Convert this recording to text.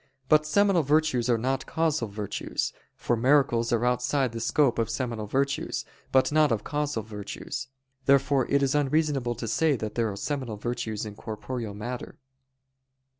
But seminal virtues are not causal virtues: for miracles are outside the scope of seminal virtues, but not of causal virtues. Therefore it is unreasonable to say that there are seminal virtues in corporeal matter.